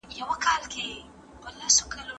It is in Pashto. ایا استاد د شاګرد پوښتنو ته ځواب ورکوي؟